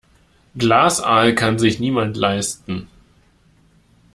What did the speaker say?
Glasaal kann sich niemand leisten.